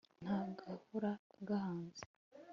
nta gahora gahanze